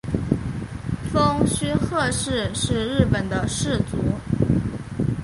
蜂须贺氏是日本的氏族。